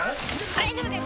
大丈夫です